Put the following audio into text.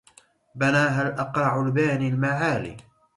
بناها الأقرع الباني المعالي